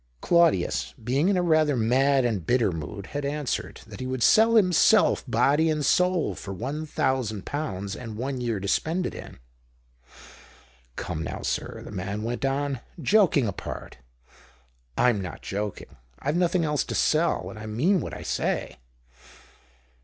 Claudius beinsf in rather a mad and bitter CD mood, had answered that he would sell himself, body and soul, for one thousand pounds and one year to spend it in. " Come now, sir," the man went on, "joking apart " "I'm not joking; I've nothing else to sell, and I mean what I say."